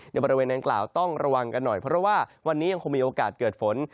บริเวณดังกล่าวต้องระวังกันหน่อยเพราะว่าวันนี้ยังคงมีโอกาสเกิดฝน